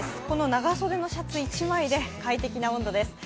長袖のシャツ一枚で快適な温度です。